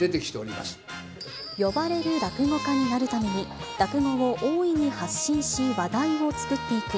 呼ばれる落語家になるために、落語を大いに発信し、話題を作っていく。